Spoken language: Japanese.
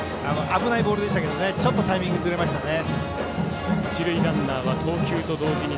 危ないボールでしたけどちょっとタイミングがずれましたね。